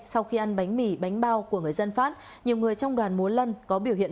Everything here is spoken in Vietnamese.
sau khi ăn bánh mì bánh bao của người dân phát nhiều người trong đoàn múa lân có biểu hiện